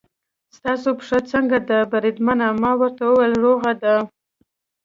ستاسې پښه څنګه ده بریدمنه؟ ما ورته وویل: روغه ده.